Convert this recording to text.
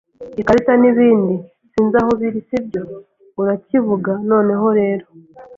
ikarita nibindi - Sinzi aho biri, sibyo? Urakivuga. Noneho rero,